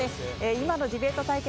今のディベート対決